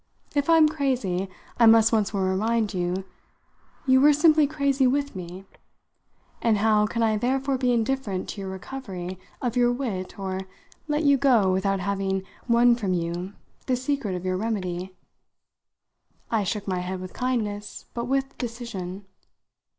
If I'm crazy, I must once more remind you, you were simply crazy with me; and how can I therefore be indifferent to your recovery of your wit or let you go without having won from you the secret of your remedy?" I shook my head with kindness, but with decision.